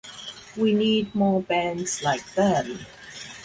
We need more bands like them.